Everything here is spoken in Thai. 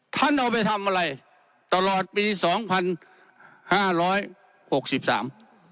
ท่านเอาไปทำอะไรตลอดปีสองพันห้าร้อยหกสิบสาม